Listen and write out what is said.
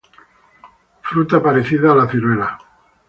Fruta parecida a la ciruela.